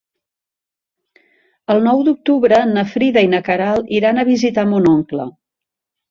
El nou d'octubre na Frida i na Queralt iran a visitar mon oncle.